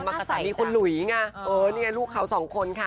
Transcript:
กับสามีคุณหลุยไงเออนี่ไงลูกเขาสองคนค่ะ